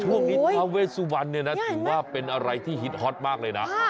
ช่วงนี้ทาเวสวันถือว่าเป็นอะไรที่ฮิตฮอตมากเลยนะ